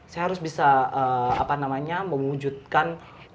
saya harus bisa mengwujudkan